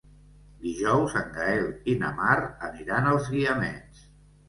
Dijous en Gaël i na Mar aniran als Guiamets.